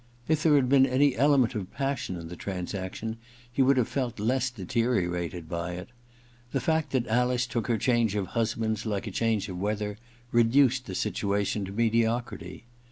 If there had been any element of passion in the transaction he would have felt less deteriorated by it. The fact that Alice took her change of husbands like a change of weather reduced the situation to mediocrity.